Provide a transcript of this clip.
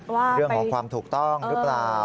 เรื่องของความถูกต้องหรือเปล่า